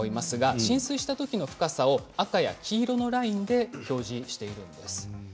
浸水したときの深さを赤や黄色のラインで表示しています。